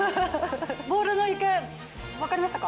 ボールの行方わかりましたか？